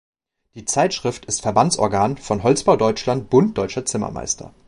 Die Zeitschrift ist Verbandsorgan von Holzbau Deutschland Bund Deutscher Zimmermeister.